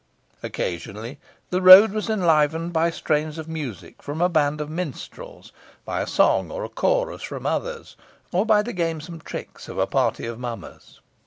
Occasionally, the road was enlivened by strains of music from a band of minstrels, by a song or a chorus from others, or by the gamesome tricks of a party of mummers.